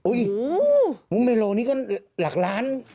มุกเมโลนี่ก็หลักล้าน